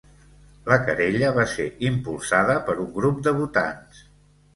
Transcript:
La querella va ser impulsada per un grup de votants